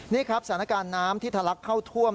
นี่ครับสถานการณ์น้ำที่ทะลักเข้าท่วม